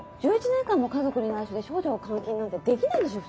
１１年間も家族に内緒で少女を監禁なんてできないでしょ？